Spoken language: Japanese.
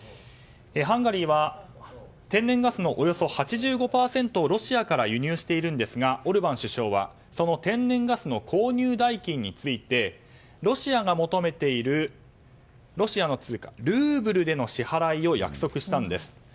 ハンガリーは天然ガスのおよそ８５％をロシアから輸入しているんですがオルバン首相はその天然ガスの購入代金についてロシアが求めているロシア通貨ルーブルでの支払いを約束したんです。